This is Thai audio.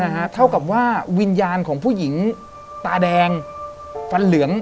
เท่ากับว่าวิญญาณของผู้หญิงตาแดงฟันเหลือง